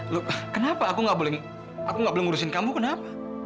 loh kenapa aku gak boleh ngurusin kamu kenapa